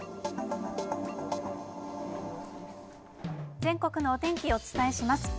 全国のお天気をお伝えします。